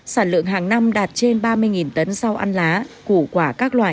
sản lượng hàng năm đạt trên ba mươi tấn rau ăn lá củ quả các loại